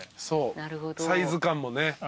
そうサイズ感もね。